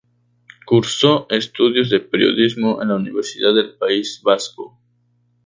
Cursó estudios de periodismo en la Universidad del País Vasco.